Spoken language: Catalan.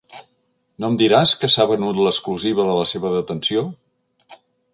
No em diràs que s'ha venut l'exclusiva de la seva detenció?